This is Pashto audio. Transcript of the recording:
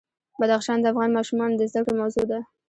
بدخشان د افغان ماشومانو د زده کړې موضوع ده.